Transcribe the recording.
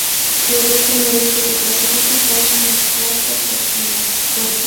Los dos primeros que se clasifiquen pasan a los cuartos de final.